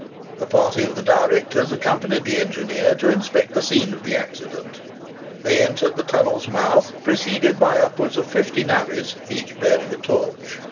A party of the directors accompanied the engineer to inspect the scene of the accident. They entered the tunnel's mouth preceded by upwards of fifty navvies, each bearing a torch.